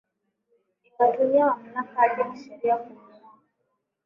ikatumia mamlaka yake kisheria kumngoa